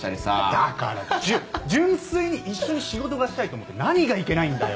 だから純粋に一緒に仕事がしたいと思って何がいけないんだよ。